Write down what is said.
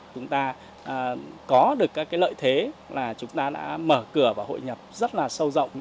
chúng ta có được các lợi thế là chúng ta đã mở cửa và hội nhập rất là sâu rộng